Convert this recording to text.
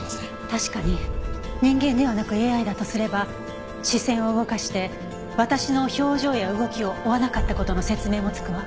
確かに人間ではなくＡＩだとすれば視線を動かして私の表情や動きを追わなかった事の説明もつくわ。